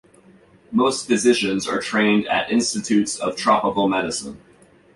Most physicians are trained at Institutes of Tropical Medicine.